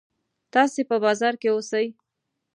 تاسې په بازار کې اوسئ.